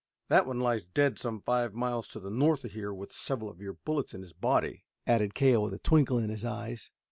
That one lies dead some five miles to the north of here with several of your bullets in his body," added Cale with a twinkle in his eyes.